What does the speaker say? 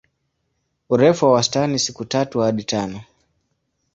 Urefu wa wastani siku tatu hadi tano.